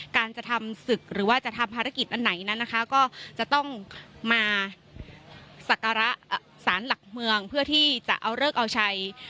การจะทำศึกหรือว่าจะทำภารกิจอันไหนนั้นนะคะก็จะต้องมาสักการะสารหลักเมืองเพื่อที่จะเอาเลิกเอาชัย